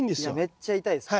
めっちゃ痛いです。